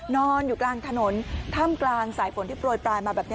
นอนอยู่กลางถนนถ้ำกลางสายฝนที่โปรยปลายมาแบบนี้